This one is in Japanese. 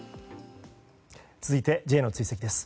続いてＪの追跡です。